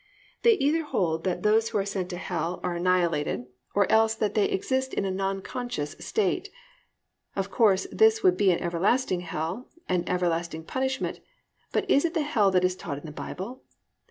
They hold either that those who are sent to hell are annihilated, or else that they exist there in a non conscious state. Of course, this would be an everlasting hell, and everlasting punishment, but is it the hell that is taught in the Bible?